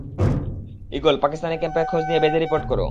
Eagle, Pakistani ক্যাম্পের খোজ নিয়ে বেজে রিপোর্ট করো।